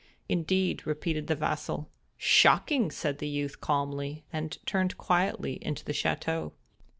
"Indeed;" repeated the vassal. "Shocking!" said the youth, calmly, and turned quietly into the château.